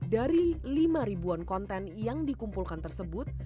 dari lima ribuan konten yang dikumpulkan tersebut